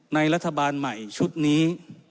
รัฐบาลใหม่ชุดนี้